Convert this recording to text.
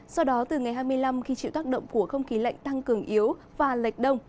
sau đó từ ngày hai mươi năm khi chịu tác động của không khí lạnh tăng cường yếu và lệch đông